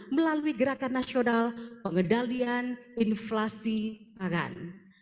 melalui gerakan nasional pengendalian inflasi pangan